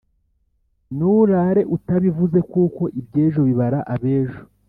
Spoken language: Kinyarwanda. Nurare utabivuze kuko ibyejo bibara abejo